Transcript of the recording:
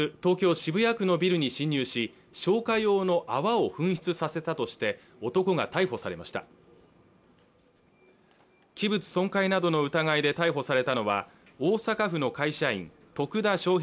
渋谷区のビルに侵入し消火用の泡を噴出させたとして男が逮捕されました器物損壊などの疑いで逮捕されたのは大阪府の会社員徳田翔平